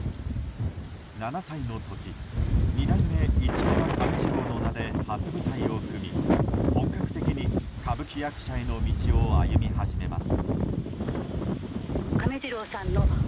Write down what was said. ７歳の時二代目市川亀治郎の名で初舞台を踏み本格的に歌舞伎役者への道を歩み始めます。